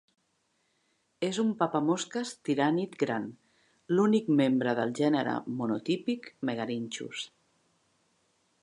És un papamosques tirànid gran, l'únic membre del gènere monotípic "Megarynchus".